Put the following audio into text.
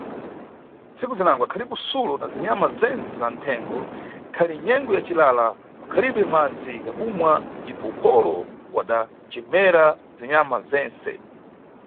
Tsiku zinango akhalipo Sulo na Zinyama Zense zanthengo, ikhali nyengo ya cilala pakhalibe madzi ya kumwa, ndipo kolo wada cemera zinyama zense.